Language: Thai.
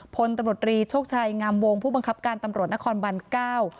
พลตำรวจรีโชคชัยงามวงผู้บังคับการตำรวจนครบันเก้า